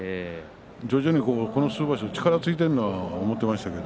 徐々にこの数場所力がついているとは思っていましたけど